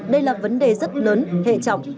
đây là vấn đề rất lớn hệ trọng